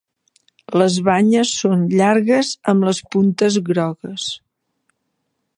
Les banyes són llargues amb les puntes grogues.